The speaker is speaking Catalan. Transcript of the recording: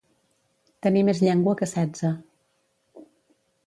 Tenir més llengua que setze.